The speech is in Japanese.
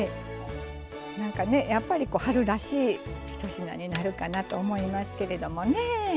なんかねやっぱり春らしい１品になるかなと思いますけれどもね。